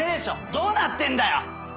どうなってんだよ